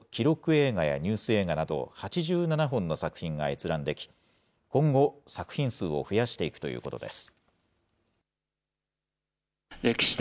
映画やニュース映画など、８７本の作品が閲覧でき、今後、作品数を増やしていくということです。